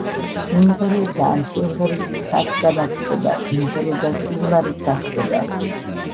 იმღერე და ამ სიმღერით ცაც განათდება იმღერე და სიზმარიც ახდება